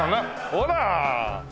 ほら！